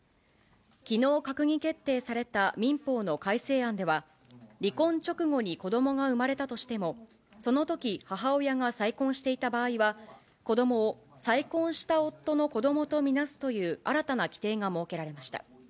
きのう閣議決定された民法の改正案では、離婚直後に子どもが生まれたとしても、そのとき、母親が再婚していた場合は、子どもを再婚した夫の子どもと見なすという新たな規定が設けられました。